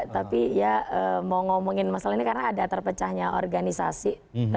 tapi ya mau ngomongin masalah ini karena ada terpecahnya organisasi